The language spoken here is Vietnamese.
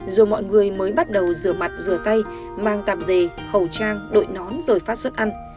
dù mọi người mới bắt đầu rửa mặt rửa tay mang tạp dề khẩu trang đội nón rồi phát suất ăn